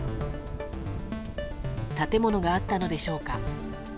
建物があったのでしょうか。